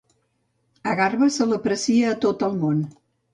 A Garba se l'aprecia a tot el món.